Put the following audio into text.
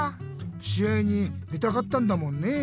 しあいに出たかったんだもんねえ